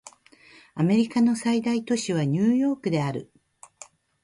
アメリカの最大都市はニューヨークである